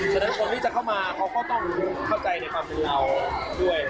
ฉะนั้นคนที่จะเข้ามาเขาก็ต้องเข้าใจในความเป็นเราด้วย